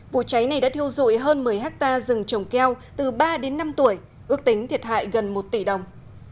vụ cháy này đã thiêu dụi hơn một mươi hectare rừng trồng keo từ ba đến năm tuổi ước tính thiệt hại gần một tỷ đồng